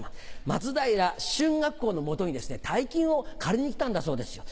松平春嶽公の元に大金を借りに来たんだそうですよ